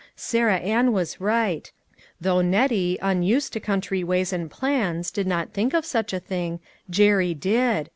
Sarah Ann was right ; though Nettie, unused to country ways and plans, did not think of such a thing, Jerry did.